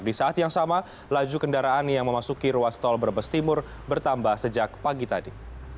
di saat yang sama laju kendaraan yang memasuki ruas tol brebes timur bertambah sejak pagi tadi